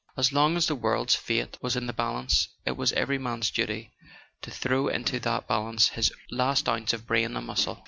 As long as the world's fate was in the balance it was every man's duty to throw into that balance his last ounce of brain and muscle.